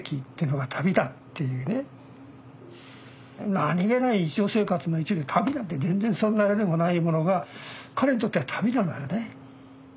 何気ない日常生活の一部旅なんて全然そんなあれでもないものが彼にとっては旅なのよね。